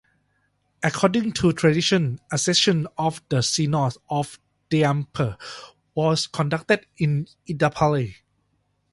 According to tradition, a session of the Synod of Diamper was conducted in Edapally.